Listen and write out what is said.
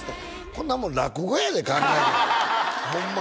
こんなもん落語やで考えたらホンマ